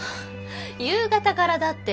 夕方からだって。